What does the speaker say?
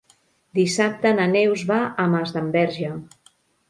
Dissabte na Neus va a Masdenverge.